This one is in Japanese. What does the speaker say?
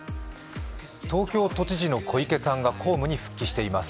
東京都知事の小池さんが公務に復帰しています。